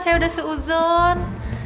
saya udah seuzon